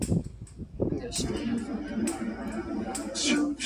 Boron carbide has a complex crystal structure typical of icosahedron-based borides.